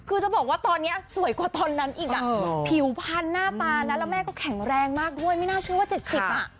คือจะบอกว่าตอนนี้สวยกว่าตอนนั้นอีกอ่ะผิวพันหน้าตานะแล้วแม่ก็แข็งแรงมากด้วยไม่น่าเชื่อว่า๗๐อ่ะ